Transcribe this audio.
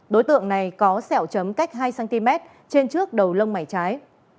đối tượng này có xẹo chấm cách hai cm trên trước đầu lông mảy trái